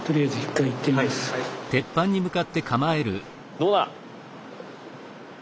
どうだ！